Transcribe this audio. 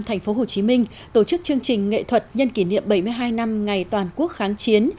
tp hcm tổ chức chương trình nghệ thuật nhân kỷ niệm bảy mươi hai năm ngày toàn quốc kháng chiến